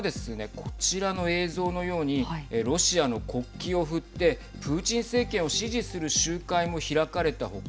こちらの映像のようにロシアの国旗を振ってプーチン政権を支持する集会も開かれた他